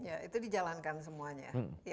ya itu dijalankan semuanya